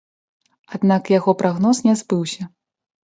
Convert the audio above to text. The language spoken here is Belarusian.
Аднак яго прагноз не збыўся.